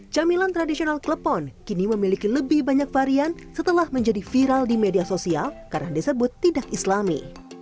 camilan tradisional klepon kini memiliki lebih banyak varian setelah menjadi viral di media sosial karena disebut tidak islami